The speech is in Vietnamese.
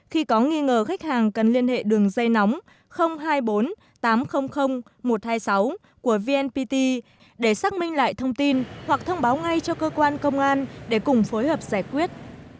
khi có nghi ngờ khách hàng cần liên hệ đường dây nóng hai mươi bốn tám trăm linh một trăm hai mươi sáu của vnpt để xác minh lại thông tin hoặc thông báo ngay cho cơ quan công an để cùng phối hợp giải quyết